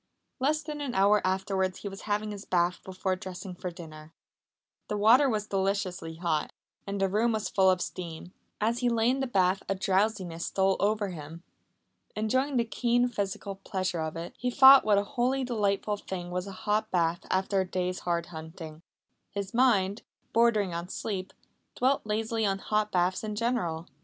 Less than an hour afterwards he was having his bath before dressing for dinner. The water was deliciously hot, and the room was full of steam. As he lay in the bath a drowsiness stole over him. Enjoying the keen physical pleasure of it, he thought what a wholly delightful thing was a hot bath after a day's hard hunting. His mind, bordering on sleep, dwelt lazily on hot baths in general.